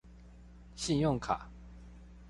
信用卡